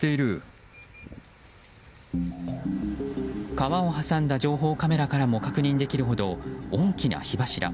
川を挟んだ情報カメラからも確認できるほど大きな火柱。